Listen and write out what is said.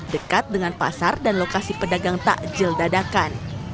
dekat dengan pasar dan lokasi pedagang takjil dadakan